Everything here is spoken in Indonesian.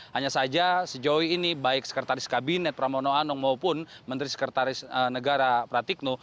hanya saja sejauh ini baik sekretaris kabinet pramono anung maupun menteri sekretaris negara pratikno